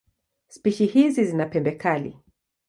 Spishi hizi zina pembe kali.